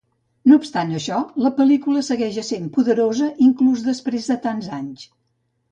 No obstant això, la pel·lícula segueix essent poderosa inclús després de tants anys.